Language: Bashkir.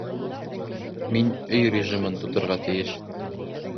Мин өй режимын тоторға тейеш